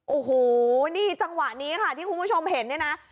โอ้โหนี่จังหวะนี้ค่ะที่คุณผู้ชมเห็นเนี่ยนะ